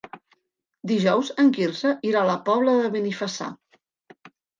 Dijous en Quirze irà a la Pobla de Benifassà.